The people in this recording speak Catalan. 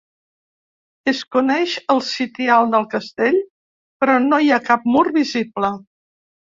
Es coneix el setial del castell però no hi ha cap mur visible.